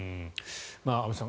安部さん